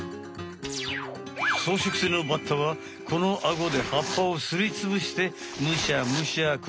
そうしょく性のバッタはこのアゴで葉っぱをすりつぶしてむしゃむしゃくらいつくす。